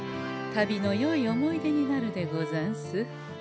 旅のよい思い出になるでござんす。